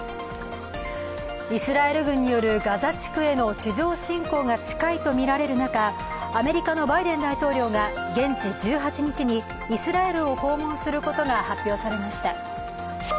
イスラエル軍によるガザ地区への地上侵攻が近いとみられる中アメリカのバイデン大統領が現地１８日にイスラエルを訪問することが発表されました。